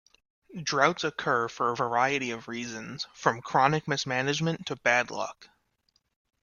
Droughts occur for a variety of reasons, from chronic mismanagement to bad luck.